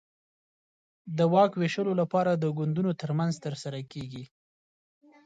د واک وېشلو لپاره د ګوندونو ترمنځ ترسره کېږي.